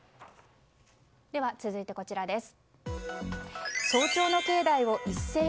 では続いてこちらです。